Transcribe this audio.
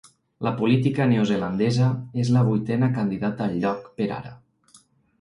La política neozelandesa és la vuitena candidata al lloc, per ara.